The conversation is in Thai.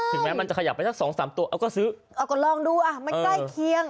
แม้มันจะขยับไปสักสองสามตัวเอาก็ซื้อเอาก็ลองดูอ่ะมันใกล้เคียง